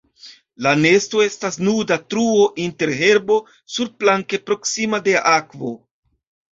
La nesto estas nuda truo inter herbo surplanke proksima de akvo.